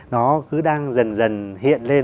nó cứ đang dần dần hiện lên